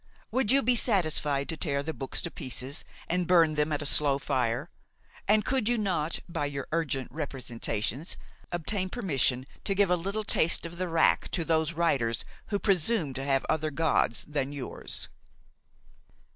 Would you be satisfied to tear the books to pieces and burn them at a slow fire, and could you not, by your urgent representations, obtain permission to give a little taste of the rack to those writers who presume to have other gods than yours?